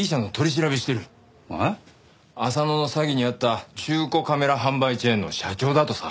浅野の詐欺にあった中古カメラ販売チェーンの社長だとさ。